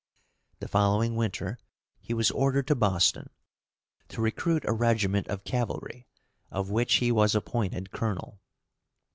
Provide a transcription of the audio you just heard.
The following winter he was ordered to Boston, to recruit a regiment of cavalry, of which he was appointed colonel.